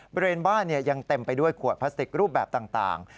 บริเวณบ้านยังเต็มไปด้วยขวดพลาสติกรูปแบบต่าง